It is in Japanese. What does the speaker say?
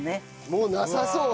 もうなさそう。